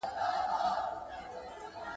ځان ته ښه وايي، ښه نه کړي، دا څه وايي او څه کړي.